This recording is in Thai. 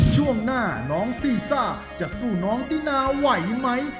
ช่วงหน้าน้องซีซ่าจะสู้น้องตินาไหวไหม